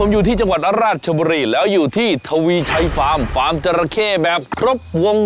พูดแบบเสนอ